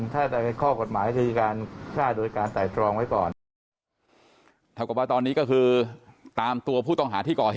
ถ้าเป็นข้อกฎหมายคือการฆ่าโดยการแต่ตรองไว้ก่อน